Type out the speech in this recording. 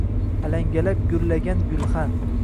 Аlangalab gurlagan gulxan